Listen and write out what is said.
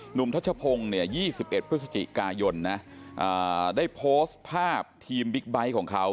หนุ่มทัชโพง๒๑พฤศจิกายนได้โพสต์ภาพทีมบิ๊กไบท์ของเขา